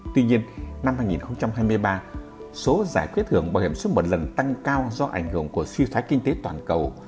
tuy nhiên năm hai nghìn hai mươi ba số giải quyết hưởng bảo hiểm suốt một lần tăng cao do ảnh hưởng của suy thoái kinh tế toàn cầu